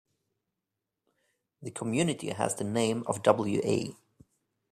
The community has the name of W. A.